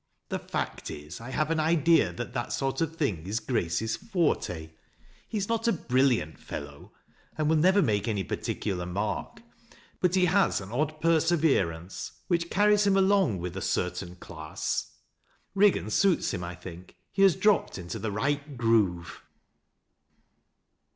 The fact is, I have an idea that tliat sort of thing is Grace's forte. He is not a brilliant fellow, and will never make any particular mark, but he has an odd perseverance which carries him along with a certain class. Eiggan suits him, I think. He has dropped inte the right groove."